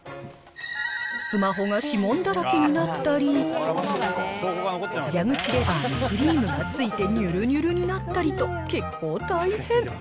スマホが指紋だらけになったり、蛇口レバーにクリームがついてにゅるにゅるになったりと、結構大変。